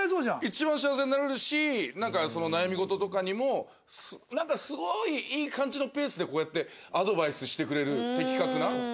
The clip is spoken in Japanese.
一番幸せになれるし悩み事とかにもなんかすごいいい感じのペースでこうやってアドバイスしてくれる的確な。